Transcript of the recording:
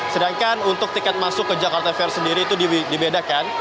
sedangkan untuk tiket masuk ke jakarta fair sendiri itu dibedakan